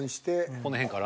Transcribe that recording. この辺から？